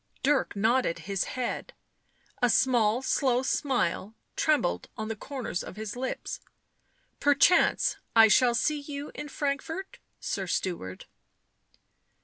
Dirk nodded his head; a small, slow smile trembled on the corners of his lips. " Perchance I shall see you in Frankfort, sir steward."